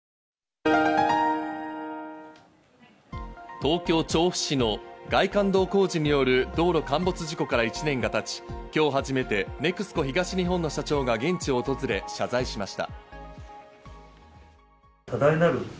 東京・調布市の外環道工事による道路陥没事故から１年が経ち、今日初めてＮＥＸＣＯ東日本の社長が現地を訪れ、謝罪しました。